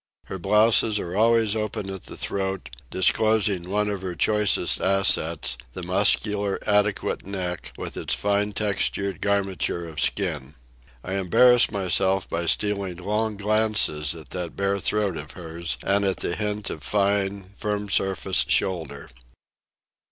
Her blouses are always open at the throat, disclosing one of her choicest assets, the muscular, adequate neck, with its fine textured garmenture of skin. I embarrass myself by stealing long glances at that bare throat of hers and at the hint of fine, firm surfaced shoulder.